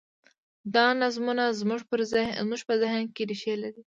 دا نظمونه زموږ په ذهن کې رېښې لري.